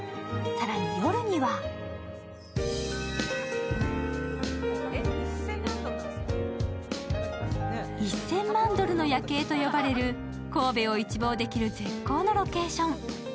更に夜には、１０００万ドルの夜景と呼ばれる神戸を一望できる絶好のロケーション。